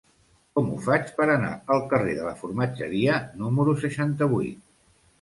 Com ho faig per anar al carrer de la Formatgeria número seixanta-vuit?